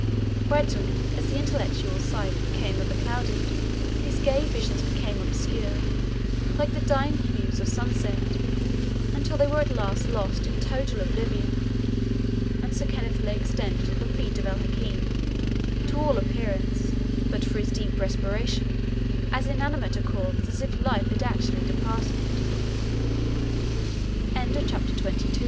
Gradually as the intellectual sight became overclouded, these gay visions became obscure, like the dying hues of sunset, until they were at last lost in total oblivion; and Sir Kenneth lay extended at the feet of El Hakim, to all appearance, but for his deep respiration, as inanimate a corpse as if life had actually departed. CHAPTER XXIII. 'Mid the